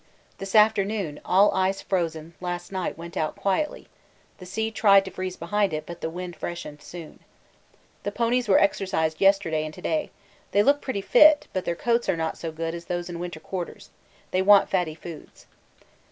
This afternoon, all ice frozen last night went out quietly; the sea tried to freeze behind it, but the wind freshened soon. The ponies were exercised yesterday and to day; they look pretty fit, but their coats are not so good as those in winter quarters they want fatty foods.